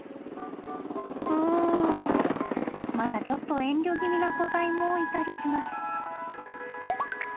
うんまだちょっと遠慮気味な個体もいたりします。